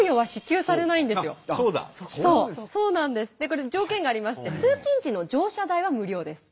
これ条件がありまして通勤時の乗車代は無料です。